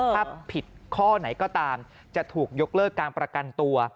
ถ้าผิดข้อไหนก็ตามจะถูกยกเลิกการประกันตัว